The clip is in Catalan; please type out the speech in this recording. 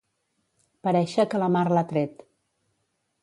Parèixer que la mar l'ha tret.